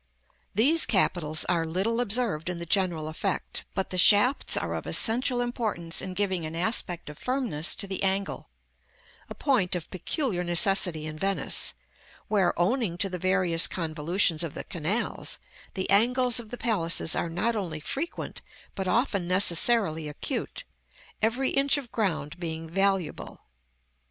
§ X. These capitals are little observed in the general effect, but the shafts are of essential importance in giving an aspect of firmness to the angle; a point of peculiar necessity in Venice, where, owning to the various convolutions of the canals, the angles of the palaces are not only frequent, but often necessarily acute, every inch of ground being valuable.